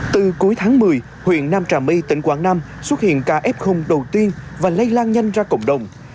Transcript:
từ cuối tháng một mươi huyện nam trà my tỉnh quảng nam xuất hiện ca f đầu tiên và lây lan nhanh ra cộng đồng